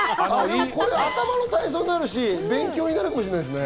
頭の体操になるし勉強になるかもしれないですね。